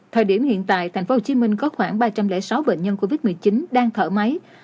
thời điểm hiện tại tp hcm có khoảng ba trăm linh sáu bệnh nhân covid một mươi chín đang thở máy